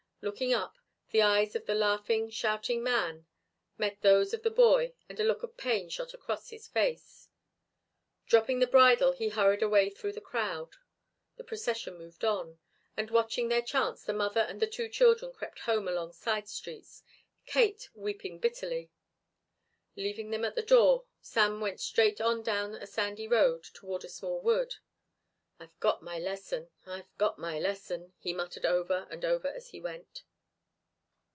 Looking up, the eyes of the laughing, shouting man met those of the boy and a look of pain shot across his face. Dropping the bridle he hurried away through the crowd. The procession moved on, and watching their chance the mother and the two children crept home along side streets, Kate weeping bitterly. Leaving them at the door Sam went straight on down a sandy road toward a small wood. "I've got my lesson. I've got my lesson," he muttered over and over as he went.